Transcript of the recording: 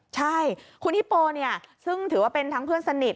ใช่คุณฮิปโปเนี่ยซึ่งถือว่าเป็นทั้งเพื่อนสนิท